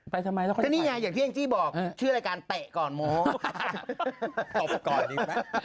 ไปไปเถียงกิ๊บบอกว่าชื่อรายการเตะก่อนโม้ตบก่อนดีกว่า